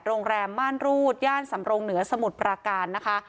โรงแรมม่านรูดย่านสำรงเหนือสมุทรปราการนะคะ